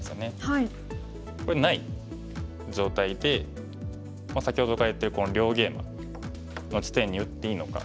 これない状態で先ほどから言ってる両ゲイマの地点に打っていいのか。